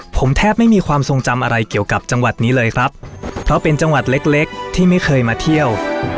ผมแทบไม่มีความทรงจำอะไรเกี่ยวกับจังหวัดนี้เลยครับเพราะเป็นจังหวัดเล็กเล็กที่ไม่เคยมาเที่ยว